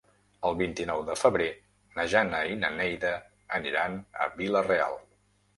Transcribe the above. El vint-i-nou de febrer na Jana i na Neida aniran a Vila-real.